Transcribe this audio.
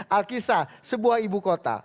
alkisa sebuah ibu kota